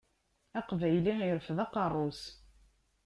Aqbayli irfed aqerru-s.